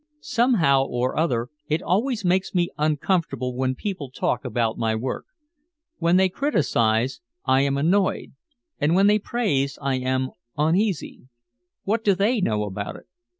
Somehow or other it always makes me uncomfortable when people talk about my work. When they criticize I am annoyed and when they praise I am uneasy. What do they know about it?